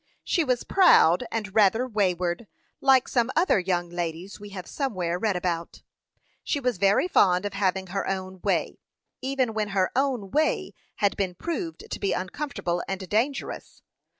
She was proud, and rather wayward. Like some other young ladies we have somewhere read about, she was very fond of having her own way, even when her own way had been proved to be uncomfortable and dangerous.